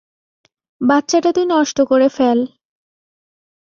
বাচ্চাটা তুই নষ্ট করে ফেল।